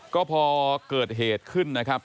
ก็พอเกิดเหตุขึ้นนะครับ